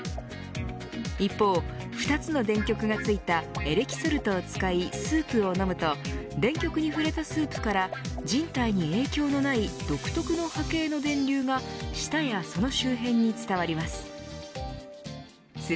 一方、２つの電極が付いたエレキソルトを使いスープを飲むと電極に触れたスープから人体に影響のない独特の波形の電流が舌やその周辺に伝わります。